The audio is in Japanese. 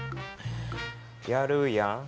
やるやん。